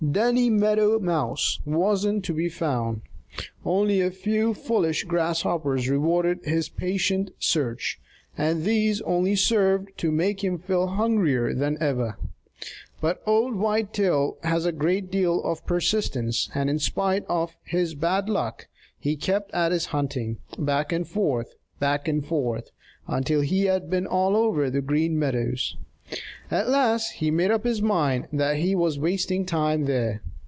Danny Meadow Mouse wasn't to be found. Only a few foolish grasshoppers rewarded his patient search, and these only served to make him feel hungrier than ever. But old Whitetail has a great deal of persistence, and in spite of his bad luck, he kept at his hunting, back and forth, back and forth, until he had been all over the Green Meadows. At last he made up his mind that he was wasting time there.